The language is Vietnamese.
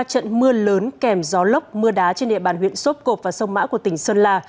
trận mưa lớn kèm gió lốc mưa đá trên địa bàn huyện sốp cộp và sông mã của tỉnh sơn la